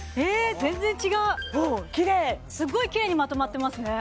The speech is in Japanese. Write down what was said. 全然違うきれいすっごいきれいにまとまってますね